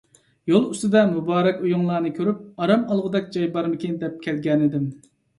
يول ئۈستىدە مۇبارەك ئۆيۈڭلارنى كۆرۈپ، ئارام ئالغۇدەك جاي بارمىكىن دەپ كەلگەنىدىم.